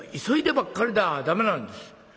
「急いでばっかりでは駄目なんです。